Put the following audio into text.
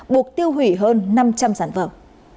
buộc tiêu hủy hơn năm trăm linh sản phẩm